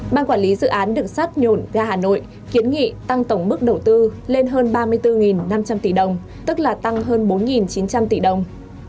ban quản lý dự án đường sát nhổn ga hà nội kiến nghị tăng tổng mức đầu tư lên hơn ba mươi bốn năm trăm linh tỷ đồng tức là tăng hơn bốn chín trăm linh tỷ đồng